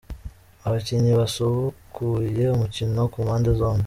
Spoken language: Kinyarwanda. Abakinnyi basubukuye umukino ku mpande zombii:.